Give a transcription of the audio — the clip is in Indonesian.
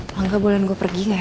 maka boleh gue pergi gak ya